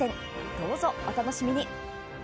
どうぞ、お楽しみに。